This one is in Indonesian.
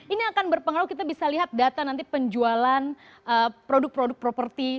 ini akan berpengaruh kita bisa lihat data nanti penjualan produk produk properti